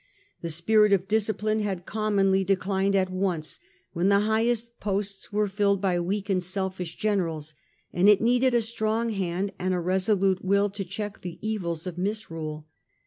The spirit of discipline had commonly declined at once when the highest posts were filled by On the side weak and selfish generals, and it needed a he hadteen hand and a resolute will to check the content to evils of misrule.